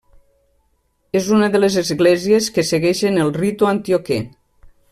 És una de les esglésies que segueixen el ritu antioquè.